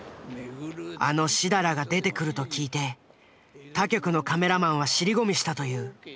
あの設楽が出てくると聞いて他局のカメラマンは尻込みしたという。